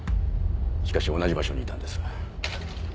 しかし同じ場所にいたんです。